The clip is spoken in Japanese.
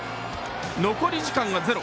残り時間はゼロ。